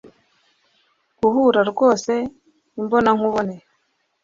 guhura rwose, imbonankubone